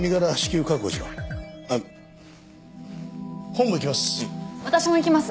本部行きます。